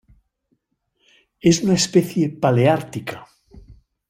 Es una especie paleártica.